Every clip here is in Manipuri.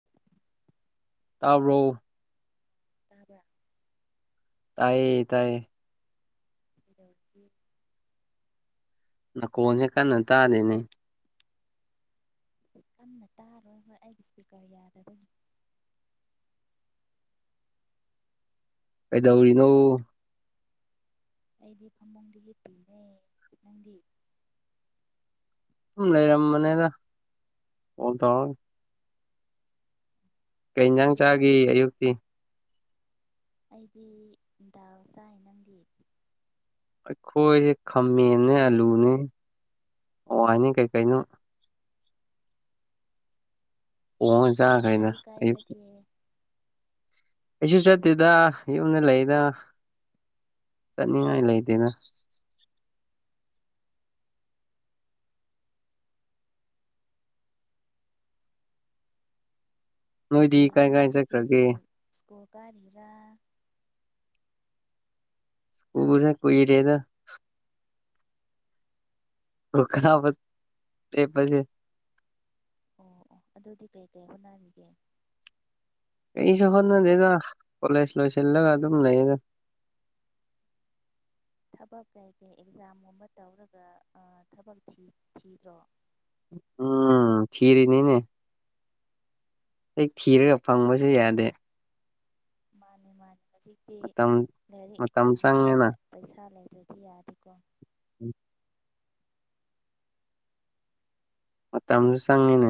[unintelligible] ꯇꯥꯕ꯭ꯔꯣ ꯇꯥꯕ꯭ꯔꯥ ꯇꯥꯏꯌꯦ ꯇꯥꯏꯌꯦ ꯀꯩꯗꯧꯔꯤꯒꯤ ꯅꯀꯣꯟꯁꯦ ꯀꯟꯅ ꯇꯥꯗꯦꯅꯦ ꯀꯟꯅ ꯇꯥꯔꯣꯏ ꯍꯣꯏ ꯑꯩꯒꯤ ꯏꯁꯄꯤꯀ꯭ꯔ ꯌꯥꯗꯕꯒꯤ ꯀꯩꯗꯧꯔꯤꯅꯣ ꯑꯩꯗꯤ ꯐꯃꯨꯡꯗ ꯍꯤꯞꯄꯤꯅꯦ ꯅꯪꯗꯤ ꯁꯨꯝ ꯂꯩꯔꯝꯕꯅꯦꯗ ꯑꯣꯟ ꯇꯧꯔꯒ ꯀꯩ ꯉꯁꯤꯗꯤ ꯏꯟꯖꯥꯡ ꯀꯗꯥꯏ ꯆꯥꯒꯤ ꯆꯠꯀꯦ ꯑꯌꯨꯛꯇꯤ ꯑꯩꯗꯤ ꯗꯥꯜ ꯆꯥꯏ ꯅꯪꯗꯤ ꯑꯩꯈꯣꯏꯖꯦ ꯈꯥꯃꯦꯟꯅꯦ ꯑꯂꯨꯅꯦ ꯍꯋꯥꯏꯅꯤ ꯀꯩ ꯀꯩꯅꯣ ꯑꯣ ꯏꯟꯆꯥꯡ ꯍꯥꯏꯅ ꯉꯁꯤꯗꯤ ꯀꯥꯏ ꯑꯌꯨꯛ ꯆꯠꯀꯦ ꯑꯩꯖꯨ ꯆꯠꯇꯦꯗ ꯌꯨꯝꯗ ꯂꯩꯗ ꯆꯠꯅꯤꯡꯉꯥꯏ ꯂꯩꯇꯦꯗ ꯅꯣꯏꯗꯤ ꯀꯩ ꯀꯥꯏ ꯀꯥꯏ ꯍꯣꯠꯅꯔꯤꯒꯦ ꯆꯠꯈ꯭ꯔꯒꯦ ꯁ꯭ꯀꯨꯜ ꯁ꯭ꯀꯨꯜ ꯀꯥꯔꯤꯔꯥ ꯎꯕꯖꯟ ꯀꯨꯏꯔꯦꯗ [unintelligible] ꯐꯦꯛꯄꯖꯦ ꯑꯣ ꯑꯣ ꯑꯗꯨꯗꯤ ꯀꯩꯀꯩ ꯍꯣꯠꯅꯔꯤꯒꯦ ꯀꯩꯁꯨ ꯍꯣꯠꯅꯗꯦꯗ ꯀꯣꯂꯦꯖ ꯂꯣꯏꯁꯤꯜꯂꯒ ꯑꯗꯨꯝ ꯂꯩꯌꯦꯗ ꯊꯕꯛ ꯀꯩꯀꯩ ꯑꯦꯛꯖꯥꯝꯒꯨꯝꯕ ꯇꯧꯔꯒ ꯑ ꯊꯕꯛ ꯊꯤ ꯊꯤꯗ꯭ꯔꯣ ꯎꯝ ꯊꯤꯔꯤꯅꯤꯅꯦ ꯍꯦꯛ ꯊꯤꯔꯒ ꯐꯪꯕꯖꯨ ꯌꯥꯗꯦ ꯃꯥꯅꯦ ꯃꯥꯅꯦ ꯍꯖꯤꯛꯇꯤ ꯃꯇꯝ ꯂꯥꯏꯔꯤꯛ ꯃꯇꯝ ꯆꯪꯉꯦꯅ ꯍꯩꯌꯦꯅ ꯄꯩꯁꯥ ꯂꯩꯇ꯭ꯔꯗꯤ ꯌꯥꯗꯦꯀꯣ [inaudible] ꯃꯇꯝꯖꯨ ꯆꯪꯉꯤꯅꯦ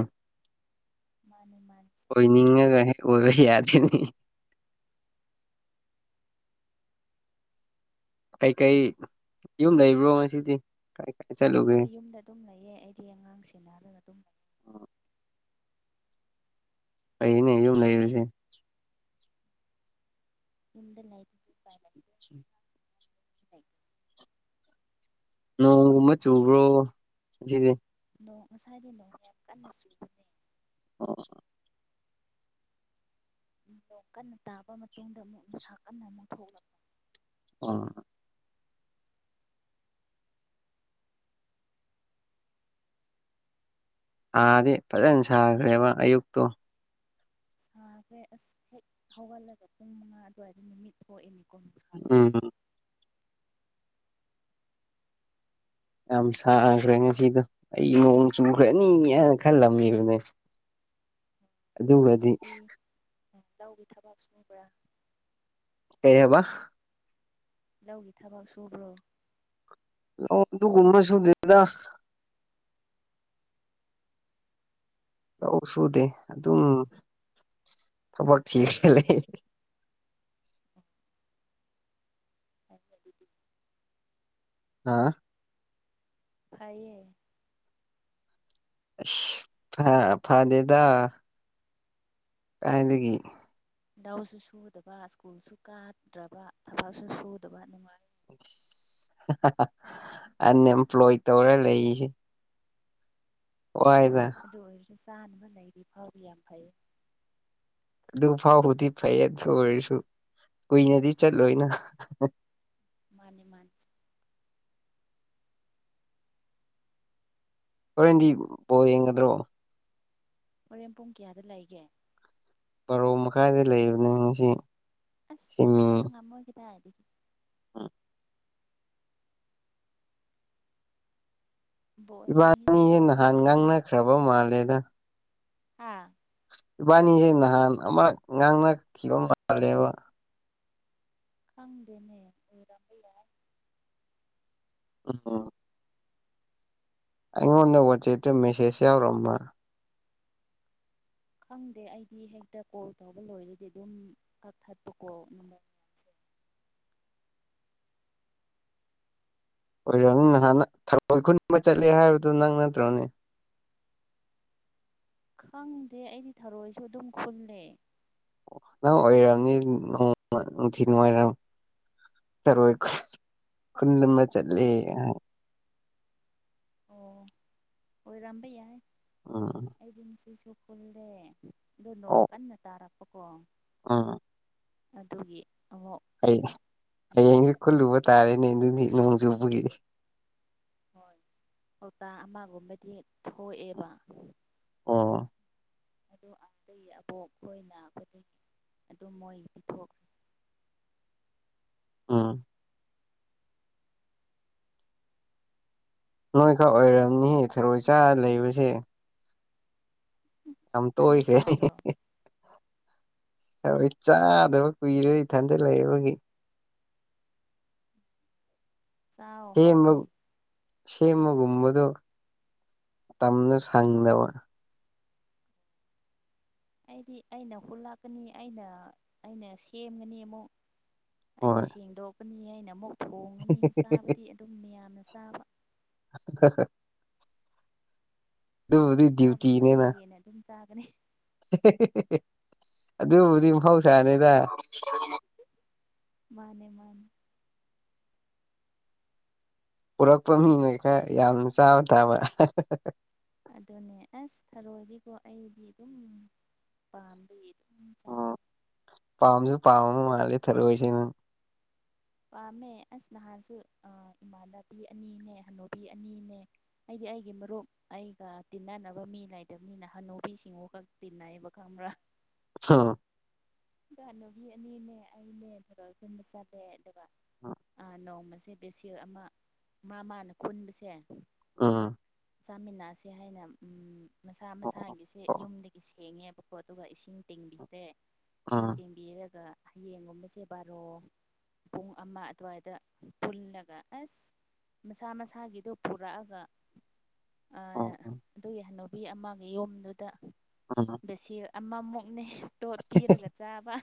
ꯃꯥꯅꯤ ꯃꯥꯅꯤ ꯆꯨꯝ ꯑꯣꯏꯅꯤꯡꯉꯒ ꯍꯦꯛ ꯑꯣꯏꯕ ꯌꯥꯗꯦꯅꯦ ꯀꯩ ꯀꯩ ꯌꯨꯝ ꯂꯩꯕ꯭ꯔꯣ ꯉꯁꯤꯗꯤ ꯀꯥꯏ ꯀꯥꯏ ꯆꯠꯂꯨ ꯍꯣꯏ ꯌꯨꯝꯗ ꯑꯗꯨꯝ ꯂꯩꯌꯦ ꯑꯩꯗꯤ ꯑꯉꯥꯡ ꯁꯦꯅꯔꯒ ꯑꯗꯨꯝ ꯐꯩꯌꯦꯅꯦ ꯌꯨꯝ ꯂꯩꯕꯖꯦ ꯌꯨꯝꯗ ꯂꯩ ꯄꯥꯏꯅ [unintelligible] [unintelligible] ꯅꯣꯡꯒꯨꯝꯕ ꯆꯨꯕ꯭ꯔꯣ ꯉꯁꯤꯗꯤ ꯅꯣꯡ ꯉꯁꯥꯏꯗꯤ ꯅꯣꯡ ꯌꯥꯝ ꯀꯟꯅ ꯆꯨꯕ ꯑꯣ ꯅꯣꯡ ꯀꯟꯅ ꯇꯥꯕ ꯃꯇꯨꯡꯗ ꯑꯃꯨꯛ ꯅꯨꯡꯁꯥ ꯀꯟꯅ ꯑꯃꯨꯛ ꯊꯣꯛꯂꯛ [unintelligible] ꯁꯥꯗꯤ ꯐꯖꯅ ꯁꯥꯈ꯭ꯔꯦꯕ ꯑꯌꯨꯛꯇꯣ ꯁꯥꯒ꯭ꯔꯦ ꯑꯁ ꯍꯦꯛ ꯍꯧꯒꯠꯂꯒ ꯄꯨꯡ ꯃꯉꯥ ꯑꯗꯨꯋꯥꯏꯗ ꯅꯨꯃꯤꯠ ꯊꯣꯛꯑꯦ ꯅꯦꯀꯣ ꯅꯨꯡꯁꯥ ꯊꯣꯛꯑꯦ ꯎꯝ ꯌꯥꯝ ꯁꯥꯒ꯭ꯔꯦ ꯉꯁꯤꯗꯣ ꯑꯩ ꯅꯣꯡ ꯆꯨꯈ꯭ꯔꯥꯅꯤ ꯍꯥꯏꯅ ꯈꯜꯂꯝꯃꯤꯕꯅꯦ ꯑꯗꯣ ꯑꯗꯨꯒꯗꯤ ꯅꯣꯏꯗꯤ [unintelligible] ꯒꯤ ꯊꯕꯥꯛ ꯁꯨꯕ꯭ꯔꯥ ꯀꯩ ꯑꯕ ꯂꯧꯒꯤ ꯊꯕꯛ ꯁꯨꯕ꯭ꯔꯣ ꯂꯧ ꯑꯗꯨꯒꯨꯝꯕ ꯁꯨꯨꯗꯦꯗ ꯂꯧ ꯁꯨꯗꯦ ꯑꯗꯨꯝ ꯊꯕꯛ ꯊꯤꯔꯒ ꯂꯩ [inaudible] ꯐꯩꯅꯦ ꯑꯗꯨꯗꯤ ꯅꯥ ꯐꯩꯌꯦ ꯑꯩꯁ ꯐꯥ ꯐꯥꯗꯦꯗ ꯀꯥꯏꯗꯒꯤ ꯗꯧꯁꯨ ꯁꯨꯗꯕ ꯁ꯭ꯀꯨꯜꯁꯨ ꯀꯥꯗ꯭ꯔꯕ ꯊꯕꯛꯁꯨ ꯁꯨꯗꯕ ꯅꯨꯡꯉꯥꯏ ꯑꯁ ꯑꯦꯟꯑꯦꯝꯄ꯭ꯂꯣꯏ ꯇꯧꯔ ꯂꯩꯌꯤꯁꯤ ꯋꯥꯏꯗ ꯑꯗꯨ ꯑꯣꯏꯔꯁꯨ ꯆꯥꯅꯕ ꯂꯩꯔꯤ ꯐꯥꯎꯗꯤ ꯌꯥꯝ ꯐꯩꯌꯦ ꯑꯗꯨ ꯐꯥꯎꯕꯨꯗꯤ ꯐꯩꯌꯦ ꯑꯗꯨ ꯑꯣꯏꯔꯁꯨ ꯀꯨꯏꯅꯗꯤ ꯆꯠꯂꯣꯏꯅ ꯃꯥꯅꯦ ꯃꯥꯥꯟꯅꯦ ꯍꯣꯔꯦꯟꯗꯤ ꯕꯣꯜ ꯌꯦꯡꯒꯗ꯭ꯔꯣ ꯍꯣꯔꯦꯟ ꯄꯨꯡ ꯀꯌꯥꯗ ꯂꯩꯒꯦ ꯕꯥꯔꯣ ꯃꯈꯥꯏꯗ ꯂꯩꯕꯅꯦ ꯉꯁꯤ ꯑꯁ ꯁꯤꯃꯤ ꯉꯥꯏꯕ ꯉꯝꯃꯣꯏ ꯀꯗꯥꯏꯗꯒꯤ [unintelligible] ꯕꯣꯜ ꯌꯦꯡꯉꯗꯤ ꯏꯕꯥꯅꯤꯑꯦ ꯍꯧꯒꯠꯄ ꯅꯥꯍꯟ ꯉꯝꯗꯦꯅꯦ ꯉꯥꯡꯅꯈ꯭ꯔꯕ ꯃꯥꯜꯂꯦꯗ ꯍꯥꯥ ꯏꯕꯥꯅꯤꯖꯦ ꯅꯍꯥꯟ ꯑꯃꯥꯔꯛ ꯉꯥꯡꯅꯈꯤꯕ ꯃꯥꯥꯜꯂꯦꯕ ꯈꯪꯗꯦꯅꯦ ꯑꯣꯏꯔꯝꯕ ꯌꯥꯏ ꯎꯝ [unintelligible] ꯑꯩꯉꯣꯟꯗ ꯋꯥꯆꯦꯞꯇ ꯃꯦꯁꯦꯖ ꯌꯥꯎꯔꯝꯕ ꯈꯪꯗꯦ ꯑꯩꯗꯤ ꯍꯦꯛꯇ ꯀꯣꯜ ꯇꯧꯕ ꯂꯣꯏꯔꯗꯤ ꯑꯗꯨꯝ ꯀꯛꯊꯠꯄꯀꯣ ꯅꯝꯕ꯭ꯔ ꯑꯣꯏꯔꯝꯅꯤ ꯅꯍꯥꯟꯅ ꯊꯔ‌ꯣꯏ ꯈꯨꯟꯕ ꯆꯠꯂꯦ ꯍꯥꯏꯕꯗꯨ ꯅꯪ ꯅꯠꯇ꯭ꯔꯣꯅꯦ ꯈꯪꯗꯦ ꯑꯩꯗꯤ ꯊꯥꯔꯣꯏꯁꯨ ꯑꯗꯨꯝ ꯈꯨꯜꯂꯦ ꯅꯪ ꯑꯣꯏꯔꯝꯅꯤ ꯅ‌ꯣꯡꯃ ꯅꯨꯡꯊꯤꯟ‌ꯋꯥꯏꯔꯝ ꯊꯔꯣꯏ ꯈꯨꯜ ꯈꯨꯟꯕ ꯆꯠꯂ‌ꯦꯅ ꯍꯥꯏ ꯑꯣ ꯑꯣꯏꯔꯝꯕ ꯌꯥꯏ ꯎꯝ ꯑꯩꯗꯤ ꯉꯁꯤꯁꯨ ꯈꯨꯜꯂꯦ ꯑꯗ‌ꯣ ꯅꯣꯡ ꯀꯟꯅ ꯇꯥꯔꯛꯄꯀꯣ ꯑ ꯑꯗꯨꯒꯤ ꯑꯃꯨꯛ ꯑꯩ ꯍꯌꯦꯡꯗꯩ ꯈꯨꯜꯂꯨꯕ ꯇꯥꯔꯦꯅꯦ ꯑꯗꯨꯗꯤ ꯅꯣꯡ ꯆꯨꯕꯒꯤ ꯍꯣꯏ ꯀꯧꯇꯥ ꯑꯃꯒꯨꯝꯕꯗꯤ ꯊꯣꯛꯑꯦꯕ ꯑꯣ ꯑꯗ‌ꯣ ꯑꯇꯩ ꯑꯕꯣꯛ ꯈꯣꯏꯅ ꯑꯩꯈ‌ꯣꯏꯗꯩ ꯑꯗꯨꯝ ꯃꯣꯏ ꯄꯤꯊꯣꯛꯈ꯭ꯔꯦ ꯑꯝ ꯅꯣꯏ ꯈꯛ ꯑꯣꯏꯔꯝꯅꯤ ꯊꯔꯣꯏ ꯆꯥꯔ ꯂꯩꯕꯁꯦ ꯌꯥꯝ ꯅꯪꯗꯤ ꯇꯣꯏꯈ꯭ꯔꯦ ꯆꯥꯗ꯭ꯔꯣ ꯊꯔ‌ꯣꯏ ꯆꯥꯗꯕ ꯀꯨꯏꯔꯦ ꯏꯊꯟꯗ ꯂꯩꯕꯒꯤ ꯆꯥꯎ ꯁꯦꯝꯕ ꯍꯥꯎꯕꯅꯦ ꯁꯦꯝꯕꯒꯨꯝꯕꯗꯣ ꯃꯇꯝꯗ‌ꯣ ꯁꯪꯗꯕ ꯑꯩꯗꯤ ꯑꯩꯅ ꯈꯨꯜꯂꯛꯀꯅꯤ ꯑꯩꯅ ꯑꯩꯅ ꯁꯦꯝꯒꯅꯤ ꯑꯃꯨꯛ ꯑꯩꯅ ꯍꯣꯏ ꯁꯦꯡꯗꯣꯛꯀꯅꯤ ꯑꯩꯅ ꯑꯃꯨꯛ ꯊꯣꯡꯒꯅꯤ ꯆꯥꯕꯗꯤ ꯑꯗꯨꯝ ꯃꯌꯥꯝꯅ ꯆꯥꯕ ꯑꯗꯨꯕꯨꯗꯤ ꯆꯥꯕꯁꯨ ꯑꯩꯅ ꯗ꯭ꯌꯨꯇꯤꯅꯦꯅ ꯍꯦꯟꯅ ꯑꯗꯨꯝ ꯆꯥꯒꯅꯤ ꯑꯗꯨꯕꯨꯗꯤ ꯃꯍꯧꯁꯥꯅ‌ꯦꯗ ꯃꯥꯅꯦ ꯃꯥꯅꯦ ꯄꯨꯔꯛꯄ ꯃꯤꯅ ꯈꯔ ꯌꯥꯝ ꯆꯥꯕ ꯇꯥꯕ ꯑꯗꯨꯅꯦ ꯑꯁ ꯊꯔꯣꯏꯒꯤꯀꯣ ꯑꯩꯗꯤ ꯑꯗꯨꯝ ꯄꯥꯝꯕꯤ ꯎꯝ ꯄꯥꯝꯁꯨ ꯄꯥꯝꯕ ꯃꯥꯜꯂꯦ ꯊꯔ‌ꯣꯏꯁꯦ ꯅꯪ ꯄꯥꯝꯃꯦ ꯑꯁ ꯅꯍꯥꯟꯁꯨ ꯑ ꯏꯃꯥꯟꯅꯕꯤ ꯑꯅꯤꯅꯦ ꯍꯅꯨꯕꯤ ꯑꯅꯤꯅꯦ ꯑꯩꯗꯤ ꯑꯩꯒꯤ ꯃꯔꯨꯞ ꯑꯩꯒ ꯇꯤꯟꯅꯅꯕ ꯃꯤ ꯂꯩꯇꯕꯅꯤꯅ ꯍꯟꯅꯨꯕꯤ ꯁꯤꯡꯒ ꯇꯤꯅꯩꯌ‌ꯦꯕ ꯈꯪꯕ꯭ꯔꯥ ꯑꯠꯁꯥ [inaudible] ꯍꯅꯨꯕꯤ ꯑꯅꯤꯅꯦ ꯑꯩꯅꯦ ꯊꯔ‌ꯣꯏ ꯈꯨꯟꯕ ꯆꯠꯂ‌ꯦ ꯗꯨꯒ ꯑꯥ ꯅꯣꯡꯃꯁꯦ ꯕꯦꯁꯤꯜ ꯑꯃ ꯃꯥ ꯃꯥꯅ ꯈꯨꯟꯕꯁꯦ ꯑꯝ ꯆꯥꯃꯤꯟꯅꯁꯦ ꯍꯥꯏꯅ ꯎꯝ ꯃꯁꯥ ꯃꯁꯥꯒꯤꯁꯦ ꯌꯨꯝꯗꯒꯤ ꯁꯦꯡꯉꯦꯕ ꯀ‌ꯣ ꯑꯗꯨꯒ ꯏꯁꯤꯡ ꯇ‌ꯤꯡꯕꯤꯈꯔꯦ ꯏꯁꯤꯡ ꯎꯝ ꯎꯝ ꯇꯤꯡꯕꯤꯔꯒ ꯍꯌꯦꯡꯒꯨꯝꯕꯁꯦ ꯕꯥꯔꯣ ꯄꯨꯡ ꯑꯃ ꯑꯗꯨꯋꯥꯏꯗ ꯄꯨꯜꯂꯒ ꯑꯁ ꯃꯁꯥ ꯃꯁꯥꯒꯤꯗꯣ ꯄꯨꯔꯛꯑꯒ ꯑꯥ ꯎꯝ ꯑꯗꯨꯒꯤ ꯍꯟꯅꯨꯕꯤ ꯑꯃꯒꯤ ꯌꯨꯝꯗꯨꯗ ꯎꯝ ꯕ‌ꯦꯁꯤꯜ ꯑꯃꯃꯨꯛꯅꯦ ꯇꯣꯠ ꯄꯤꯔꯒ ꯆꯥꯕ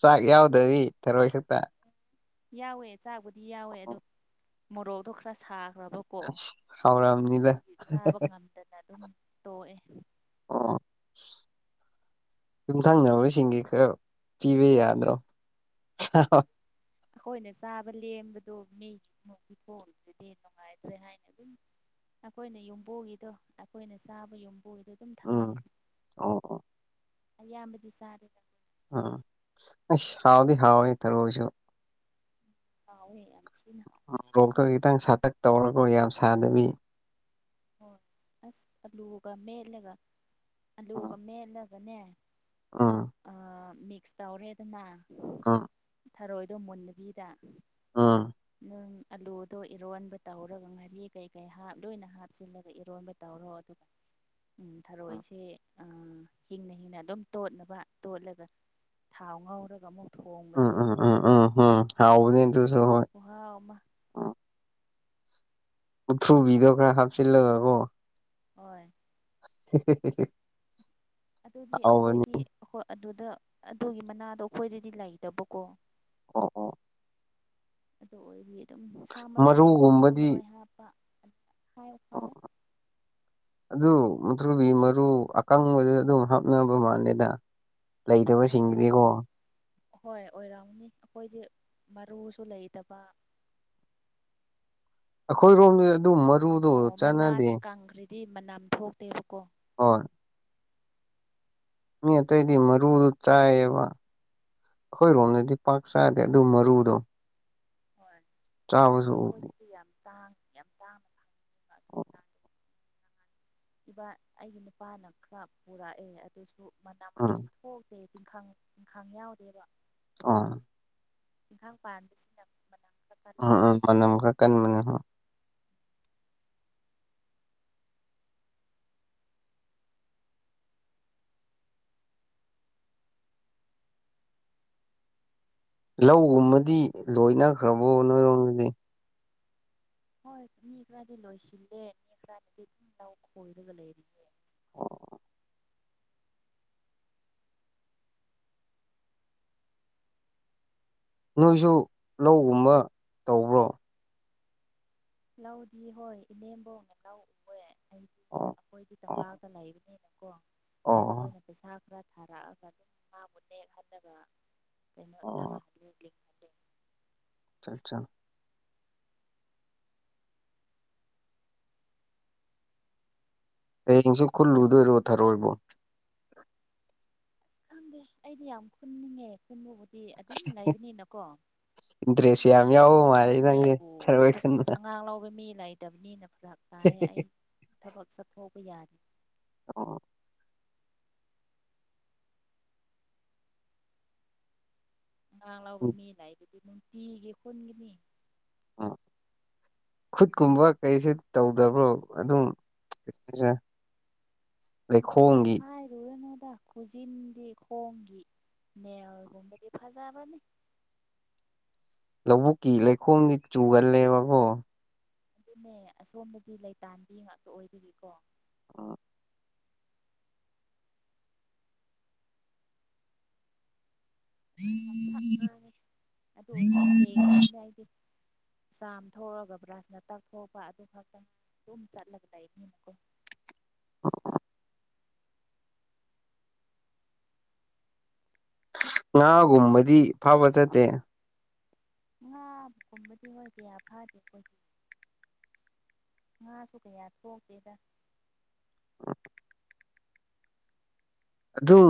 ꯆꯥꯛ ꯌꯥꯎꯗꯕꯤ ꯊꯔꯣꯏ ꯈꯛꯇ ꯌꯥꯎꯋꯦ ꯆꯥꯛꯕꯨꯗꯤ ꯌꯥꯎꯋꯦ ꯑꯗꯣ ꯃꯣꯔꯣꯛꯇ‌ꯣ ꯈꯔ ꯁꯥꯈ꯭ꯔꯕ ꯀꯣ ꯍꯥꯎꯔꯝꯅꯤꯗ ꯑꯗꯨꯒꯤ ꯆꯥꯕ ꯉꯝꯗꯅ ꯑꯗꯨꯝ ꯇꯣꯛꯑꯦ ꯑꯣ ꯌꯨꯝꯊꯪꯅꯕꯁꯤꯡꯒꯤ ꯈꯔ ꯄꯤꯕ ꯌꯥꯗ꯭ꯔꯣ ꯑꯩꯈꯣꯏꯅ ꯆꯥꯕ ꯂꯦꯝꯕꯗꯣ ꯃꯤꯒꯤ ꯃꯨꯛ ꯄꯤꯊ‌ꯣꯛ ꯑꯝꯕꯗꯤ ꯅꯨꯡꯉꯥꯏꯇ꯭ꯔꯦ ꯍꯥꯏꯅ ꯑꯗꯨꯝ ꯑꯩꯈꯣꯏꯅ ꯌꯨꯝꯕꯨꯒꯤꯗꯣ ꯑꯩꯈꯣꯏꯅ ꯆꯥꯕ ꯌꯨꯝ ꯍꯣꯏꯗ ꯑꯗꯨꯝ ꯎꯝ ꯊꯝꯃꯝꯈ꯭ꯔꯦ ꯑꯣ ꯑꯣ ꯑꯌꯥꯝꯕꯗꯤ ꯆꯥꯔ‌ꯦꯗ ꯎꯝ ꯍꯥꯎꯗꯤ ꯍꯥꯎꯣꯏ ꯊꯔꯣꯁꯨ ꯍꯥꯎꯋꯦ ꯌꯥꯝ ꯊꯤꯅ ꯍꯥꯎꯦ ꯃꯣꯔꯣꯛꯇꯣ ꯈꯤꯇꯪ ꯁꯥꯇꯛ ꯇꯧꯔꯒ ꯌꯥꯝ ꯁꯥꯗꯕꯤ ꯍꯣꯏ ꯑꯁ ꯑꯂꯨꯒ ꯃꯦꯠꯂꯒ ꯑꯂꯨꯒ ꯎꯝ ꯃꯦꯠꯂꯒꯅꯦ ꯎꯝ ꯑ ꯃꯤꯛꯁ ꯇꯧꯔꯦꯗꯅ ꯑꯝ ꯊꯔꯣꯏꯗꯣ ꯃꯨꯟꯗꯕꯤꯗ ꯎꯝ ꯅꯪ ꯑꯥꯂꯨꯗꯣ ꯏꯔꯣꯟꯕ ꯇꯧꯔꯒ ꯉꯥꯔꯤ ꯀꯩ ꯀꯩ ꯍꯥꯞ ꯂꯣꯏꯅ ꯍꯥꯞ ꯆꯤꯜꯂꯒ ꯏꯔꯣꯟꯕ ꯇꯧꯔꯣ ꯑꯗꯨꯒ ꯑꯝ ꯊꯔꯣꯏꯁꯦ ꯑ ꯍꯤꯡꯅ ꯍꯤꯡꯅ ꯑꯗꯨꯝ ꯇꯣꯠꯅꯕ ꯇꯣꯠꯂꯒ ꯊꯥꯎ ꯉꯧꯔꯒ ꯑꯃꯨꯛ ꯎꯝ ꯊꯣꯡꯕꯗꯣ ꯎꯝ ꯎꯝ ꯎꯝ ꯎꯝ ꯍꯥꯎꯕꯅꯦ ꯑꯗꯨꯁꯨ ꯍꯣꯏ ꯑꯁ ꯈꯨꯍꯥꯎ ꯑꯃ ꯃꯨꯛꯊ꯭ꯔꯨꯕꯤꯗꯣ ꯈꯔ ꯍꯥꯞꯆꯤꯜꯂꯒꯀꯣ ꯍꯣꯏ ꯍꯤ ꯍꯤ ꯍꯤ ꯍꯤ ꯑꯗꯨꯗꯤ ꯑꯩꯈꯣꯏꯗꯤ ꯑꯗꯨꯗ ꯑꯗꯨꯒꯤ ꯃꯅꯥꯗꯣ ꯑꯩꯈꯣꯏꯗꯗꯤ ꯂꯩꯇꯕꯀꯣ ꯑꯣ ꯑꯣ ꯑꯗꯨ ꯑꯣꯏꯔꯗꯤ ꯑꯗꯨꯝ ꯁꯥ ꯃꯔꯣꯏ ꯂꯩꯔꯗꯤ ꯁꯥ ꯃꯔꯨꯒꯨꯝꯕꯗꯤ ꯃꯔꯣꯏ ꯍꯥꯞꯄ ꯍꯥꯏ ꯍꯥꯎꯑꯦ ꯑꯗꯨ ꯃꯨꯛꯊ꯭ꯔꯨꯕꯤ ꯃꯔꯨ ꯑꯀꯪꯕꯗꯤ ꯑꯗꯨꯝ ꯍꯥꯞꯅꯕ ꯃꯥꯜꯂꯦꯗ ꯂꯩꯇꯕ ꯑꯣ ꯁꯤꯡꯒꯤꯗꯤꯀꯣ ꯍꯣꯏ ꯑꯣꯏꯔꯝꯒꯥꯅꯤ ꯑꯩꯈꯣꯏꯗꯤ ꯃꯔꯨꯁꯨ ꯂꯩꯇꯕ ꯑꯩꯈꯣꯏꯔꯣꯝꯗꯗꯤ ꯑꯗꯨ ꯃꯔꯨꯗꯣ ꯑꯣ ꯆꯥꯟꯅꯗꯦ ꯃꯅꯥꯗꯤ ꯀꯪꯈ꯭ꯔꯗꯤ ꯃꯅꯝ ꯊꯣꯛꯇꯦꯕꯀꯣ ꯍꯣꯏ ꯃꯤ ꯑꯇꯩꯗꯤ ꯃꯔꯨꯗꯨ ꯆꯥꯏꯌꯦꯕ ꯑꯩꯈꯣꯏ ꯔꯣꯝꯗꯗꯤ ꯄꯥꯛ ꯆꯥꯗꯦ ꯑꯗꯨ ꯃꯔꯨꯗꯣ ꯍꯣꯏ ꯆꯥꯕꯁꯨ ꯑꯗꯣ ꯎꯗꯦ ꯑꯩꯈꯣꯏꯗꯗꯤ ꯌꯥꯝ ꯇꯥꯡ ꯌꯥꯝ ꯇꯥꯡ ꯏꯕꯥ ꯑꯩꯒꯤ ꯅꯨꯄꯥꯅ ꯈꯔ ꯄꯨꯔꯛꯑꯦ ꯑꯗꯨꯁꯨ ꯃꯅꯝ ꯎꯝ ꯀꯩꯁꯨ ꯀꯣꯛꯇꯦ ꯇꯤꯡꯈꯡ ꯇꯤꯡꯈꯡ ꯌꯥꯎꯗꯦꯕ ꯑ ꯇꯤꯡꯈꯡ ꯄꯥꯟꯕꯁꯤꯅ ꯃꯅꯥꯝ ꯑꯝ ꯑꯝ ꯃꯅꯝ ꯈꯔ ꯀꯟꯕꯅꯦ ꯂꯧꯒꯨꯝꯕꯗꯤ ꯂꯣꯏꯅꯈ꯭ꯔꯕꯣ ꯅꯣꯏꯔꯣꯝꯗꯗꯤ ꯍꯣꯏ ꯃꯤ ꯈꯔꯗꯤ ꯂꯣꯏꯁꯤꯜꯂꯦ ꯃꯤ ꯈꯔꯕꯨꯗꯤ ꯗꯨꯝ ꯂꯧ ꯈꯣꯏꯔꯒ ꯂꯩꯔꯤ ꯅꯣꯏꯁꯨ ꯂꯧꯒꯨꯝꯕ ꯇꯧꯕ꯭ꯔꯣ ꯂꯧꯗꯤ ꯍꯣꯏ ꯏꯅꯦꯝꯕꯣꯛꯅ ꯂꯧ ꯎꯋꯦ ꯑꯩꯗꯤ ꯑꯣ ꯑꯩꯈꯣꯏꯗꯤ ꯑꯣ ꯇꯝꯄꯥꯛꯇ ꯂꯩꯕꯅꯤꯅꯀꯣ ꯑꯣ ꯑꯩꯈꯣꯏꯅ ꯄꯩꯁꯥ ꯈꯔ ꯊꯥꯔꯛꯑꯒ ꯑꯗꯨꯝ ꯃꯥꯕꯨ ꯅꯦꯛꯍꯜꯂꯒ ꯀꯩꯅꯣ ꯊꯥ ꯑꯣ [unintelligible] ꯆꯜ ꯆꯪ ꯍꯌꯦꯡꯁꯨ ꯈꯨꯜꯂꯨꯗꯣꯏꯔꯣ ꯊꯔꯣꯏꯕꯣ ꯈꯪꯗꯦ ꯑꯩꯗꯤ ꯌꯥꯝ ꯈꯨꯟꯅꯤꯡꯉꯦ ꯈꯨꯟꯕꯕꯨꯗꯤ ꯑꯗꯨꯝ ꯂꯩꯕꯅꯤꯅꯀꯣ ꯏꯟꯇꯔꯦꯁ ꯌꯥꯝ ꯑꯗꯨ ꯌꯥꯎꯕ ꯃꯥꯜꯂꯦ ꯅꯪꯁꯦ ꯈꯨꯟꯅꯤꯡꯉꯦꯕꯨ ꯊꯔꯣꯏ ꯑꯁ ꯈꯨꯟꯕ ꯑꯉꯥꯡ ꯂꯧꯕ ꯃꯤ ꯂꯩꯇꯕꯅꯤꯅ ꯐꯔꯛ ꯇꯥꯏ ꯑꯩ ꯊꯕꯛ ꯆꯠꯊꯧꯕ ꯌꯥ ꯑꯣ ꯑꯉꯥꯡ ꯂꯧꯕ ꯃꯤ ꯂꯩꯕꯗꯤ ꯅꯨꯡꯇꯤꯒꯤ ꯈꯨꯟꯒꯅꯤ ꯑꯥ ꯈꯨꯠꯀꯨꯝꯕ ꯀꯩꯁꯤ ꯇꯧꯗꯕ꯭ꯔꯣ ꯑꯗꯨꯝ [unintelligible] ꯑꯁ ꯂꯩꯈꯣꯝꯒꯤ ꯍꯥꯏ ꯔꯣꯅꯣꯗ ꯈꯨꯖꯤꯟꯗꯤ ꯈꯣꯡꯒꯤ ꯅꯦꯜꯒꯨꯝꯕꯗꯤ ꯐꯖꯕꯅꯤ ꯂꯧꯕꯨꯛꯀꯤ ꯂꯩꯈꯣꯝꯗꯤ ꯆꯨꯒꯜꯂꯦꯕꯀꯣ ꯑꯗꯨꯅꯦ ꯑꯁꯣꯝꯗꯗꯤ ꯂꯩꯇꯥꯟꯕꯤ ꯉꯥꯛꯇ ꯑꯣꯏꯕꯒꯤꯀꯣ ꯑꯥ ꯉꯥꯡ ꯁꯛ ꯉꯥꯡꯉꯦ ꯑꯗꯨ ꯑꯣꯏꯔꯁꯨ ꯁꯦꯡꯗꯕꯅꯤ ꯍꯥꯏꯗꯤ ꯆꯥꯝ ꯊꯣꯛꯑꯒ ꯕ꯭ꯔꯁꯅ ꯇꯛꯊꯄ ꯑꯗꯨ ꯈꯛꯇꯪ ꯑꯗꯨꯝ ꯆꯠꯂꯒ ꯂꯩꯕꯅꯤꯅꯀꯣ [inaudible] ꯉꯥꯒꯨꯝꯕꯗꯤ ꯐꯕ ꯆꯠꯇꯦ ꯉꯥꯒꯨꯝꯕꯗꯤ ꯍꯣꯏ ꯀꯌꯥ ꯐꯥꯗꯦ ꯑꯩꯈꯣꯏꯗꯤ ꯉꯥꯁꯨ ꯀꯌꯥ ꯊꯣꯛꯒꯦꯗ ꯑꯗꯨꯝ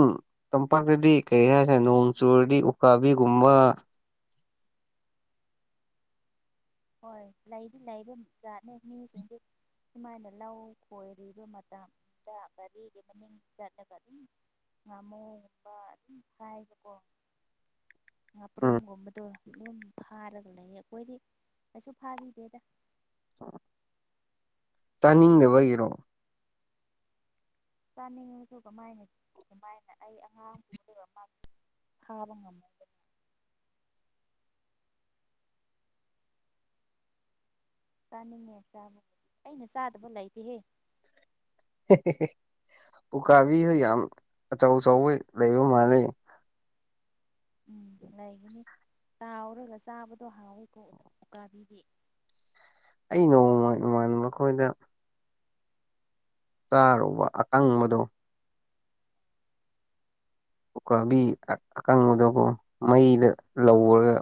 ꯇꯝꯄꯥꯛꯇꯗꯤ ꯀꯔꯤ ꯍꯥꯏꯁꯦ ꯅꯣꯡ ꯆꯨꯔꯗꯤ ꯎꯀꯥꯕꯤꯒꯨꯝꯕ ꯍꯣꯏ ꯂꯩꯗꯤ ꯂꯩꯕ ꯖꯥꯠꯅꯦ ꯃꯤꯁꯤꯡꯗꯤ ꯁꯨꯃꯥꯏꯅ ꯂꯧ ꯈꯣꯏꯔꯤꯕ ꯃꯇꯝꯗ ꯒꯥꯔꯤꯒꯤ ꯃꯅꯤꯡ ꯆꯠꯅꯕ ꯑꯗꯨꯝ ꯉꯥꯃꯨꯒꯨꯝꯕ ꯑꯗꯨꯝ ꯀꯥꯏꯕꯀꯣ ꯎꯝ ꯉꯥꯄ꯭ꯔꯨꯝꯒꯨꯝꯕꯗꯣ ꯑꯗꯨꯝ ꯐꯥꯔꯒ ꯂꯩꯌꯦ ꯑꯩꯈꯣꯏꯗꯤ ꯀꯩꯁꯨ ꯐꯥꯒꯤꯗꯦꯗ [inaudible] ꯇꯥꯅꯤꯡꯗꯕ ꯏꯔꯣ ꯆꯥꯅꯤꯡꯉꯁꯨ ꯀꯃꯥꯏꯅ ꯀꯃꯥꯏꯅ ꯑꯩ ꯑꯉꯥꯡ ꯄꯨꯗꯕ ꯃꯥ [unintelligible] ꯆꯥꯅꯤꯡꯉꯦ ꯆꯥꯕ ꯑꯩꯅ ꯆꯥꯗꯕ ꯂꯩꯇꯦꯍꯦ ꯄꯨꯀꯥꯕꯤꯁꯨ ꯌꯥꯝ ꯑꯆꯧ ꯑꯆꯧꯕ ꯂꯩꯕ ꯃꯥꯂꯦ ꯎꯝ ꯂꯩꯒꯅꯤ ꯇꯥꯎꯔꯒ ꯆꯥꯕꯗꯣ ꯍꯥꯎꯋꯤꯀꯣ ꯎꯀꯥꯕꯤꯗꯤ ꯑꯩ ꯅꯣꯡꯃ ꯏꯃꯥꯟ ꯃꯈꯣꯏꯗ ꯆꯥꯔꯨꯕ ꯑꯀꯪꯕꯗꯣ ꯎꯀꯥꯕꯤ ꯑꯀꯪꯕꯗꯕꯨ ꯃꯩꯗ ꯍꯣꯏ ꯂꯧꯔꯒ